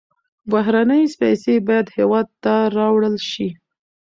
بهرنۍ پیسې باید هېواد ته راوړل شي.